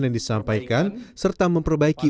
yang disampaikan serta memperbaiki